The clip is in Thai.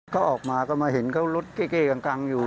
เขาออกมาก็มาเห็นเขารถเก้กังอยู่